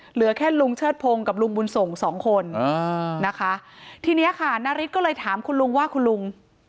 เหลือแค่ลุงเชิดพงศ์กับลุงบุญส่งสองคนอ่านะคะทีเนี้ยค่ะนาริสก็เลยถามคุณลุงว่าคุณลุง